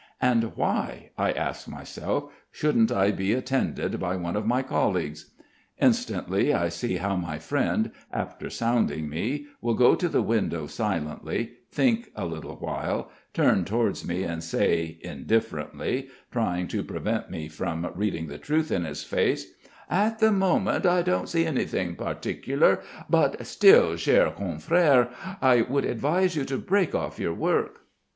"And why," I ask myself, "shouldn't I be attended by one of my colleagues?" Instantly I see how my friend, after sounding me, will go to the window silently, think a little while, turn towards me and say, indifferently, trying to prevent me from reading the truth in his face: "At the moment I don't see anything particular; but still, cher confrère, I would advise you to break off your work...."